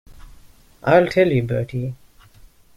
I'll tell you, Bertie.